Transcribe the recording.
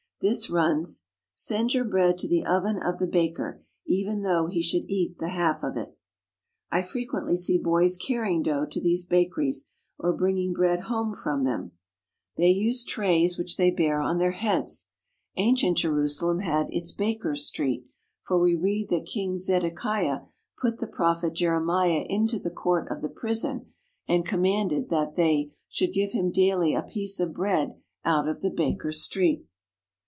This runs: "Send your bread to the oven of the baker even though he should eat the half of it." I frequently see boys carrying dough to these bakeries, or bringing bread home from them. They use trays 115 THE HOLY LAND AND SYRIA which they bear on their heads. Ancient Jerusalem had its Bakers' Street, for we read that King Zedekiah put the prophet Jeremiah into the court of the prison and commanded that they "should give him daily a piece of bread out of the Bakers' Street."